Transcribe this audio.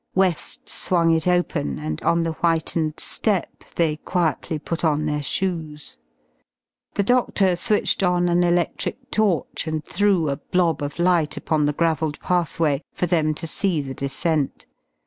West swung it open, and on the whitened step they quietly put on their shoes. The doctor switched on an electric torch and threw a blob of light upon the gravelled pathway for them to see the descent.